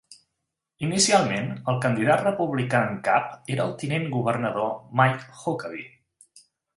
Inicialment, el candidat republicà en cap era el tinent governador Mike Huckabee.